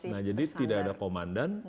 nah jadi tidak ada komandan